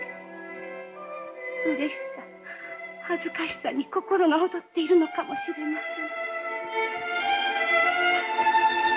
うれしさ恥ずかしさに心が躍っているのかもしれませぬ。